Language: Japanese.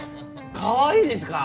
かわいいですか？